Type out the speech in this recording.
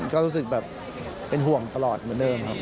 ก็รู้สึกแบบเป็นห่วงตลอดเหมือนเดิมครับ